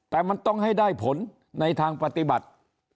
แต่มันต้องให้ได้ผลในทางปฏิบัติ